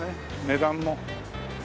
値段も。